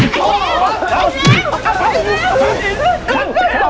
จ้า